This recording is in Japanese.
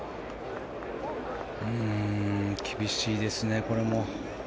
厳しいですね、これも。